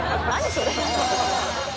それ」